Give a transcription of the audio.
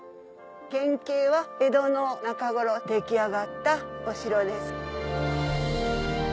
原形は江戸の中頃出来上がったお城です。